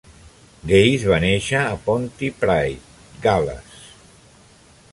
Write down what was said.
Gaze va nàixer a Pontypridd, Gal·les.